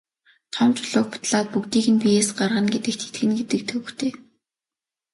Том чулууг бутлаад бүгдийг нь биеэс гаргана гэдэгт итгэнэ гэдэг төвөгтэй.